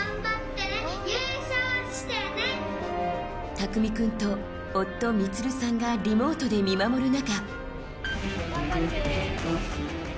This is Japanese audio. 匠君と夫・充さんがリモートで見守る中。